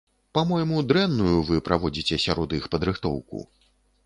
Па-мойму, дрэнную вы праводзіце сярод іх падрыхтоўку.